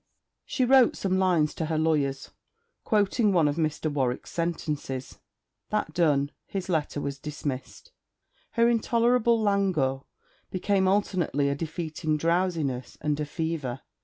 She wrote some lines to her lawyers, quoting one of Mr. Warwick's sentences. That done, his letter was dismissed. Her intolerable languor became alternately a defeating drowsiness and a fever.